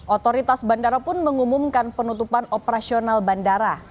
otoritas bandara pun mengumumkan penutupan operasional bandara